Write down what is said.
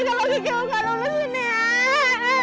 tolong aku aku gak lulus ini ya